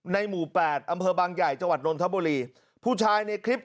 หมู่แปดอำเภอบางใหญ่จังหวัดนนทบุรีผู้ชายในคลิป